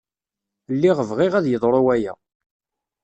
Lliɣ bɣiɣ ad yeḍru waya.